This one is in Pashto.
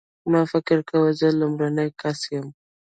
ما فکر کاوه زه لومړنی کس یم.